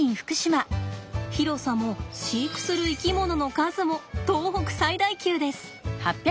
広さも飼育する生き物の数も東北最大級です。